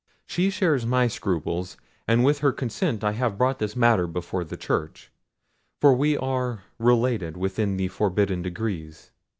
She shares my scruples, and with her consent I have brought this matter before the church, for we are related within the forbidden degrees.